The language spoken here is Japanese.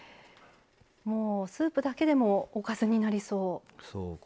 スープだけでもおかずになりそう。